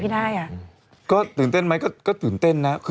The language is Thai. เป็นนะฮะ